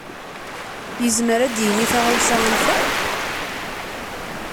Yezmer ad d-yini taɣawsa am ta?